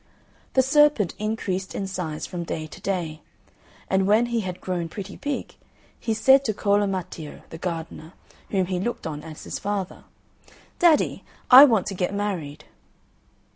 The serpent increased in size from day to day; and when he had grown pretty big, he said to Cola Matteo, the gardener, whom he looked on as his father, "Daddy, I want to get married."